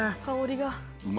香りが。